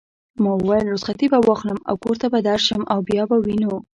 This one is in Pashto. ما وویل: رخصتې به واخلم او کور ته به درشم او بیا به وینو.